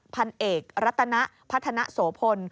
พันเอกลัตนะพันทนะโสพน